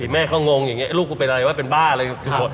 แม่เขางงอย่างนี้ลูกกูเป็นอะไรวะเป็นบ้าอะไร